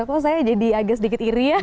kok saya jadi agak sedikit iri ya